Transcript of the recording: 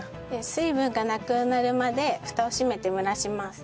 水分がなくなるまでフタを閉めて蒸らします。